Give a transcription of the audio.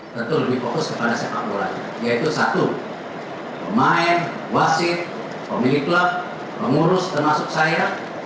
tentu lebih fokus kepada sepak bola yaitu satu pemain wasit pemilik klub pengurus termasuk saya